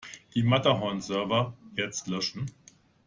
Die Matterhorn-Server jetzt löschen!